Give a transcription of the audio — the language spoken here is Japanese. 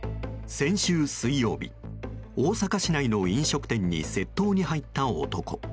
先週水曜日、大阪市内の飲食店に窃盗に入った男。